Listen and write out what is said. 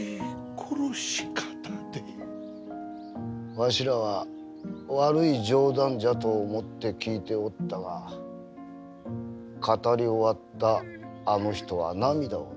わしらは悪い冗談じゃと思って聞いておったが語り終わったあの人は涙を流し枕元の色紙を取り出した。